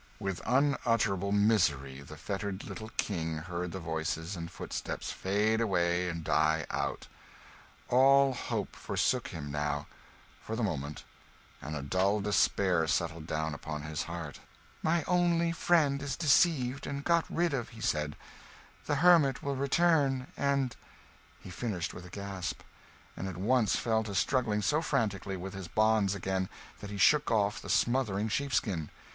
With unutterable misery the fettered little King heard the voices and footsteps fade away and die out. All hope forsook him, now, for the moment, and a dull despair settled down upon his heart. "My only friend is deceived and got rid of," he said; "the hermit will return and " He finished with a gasp; and at once fell to struggling so frantically with his bonds again, that he shook off the smothering sheepskin.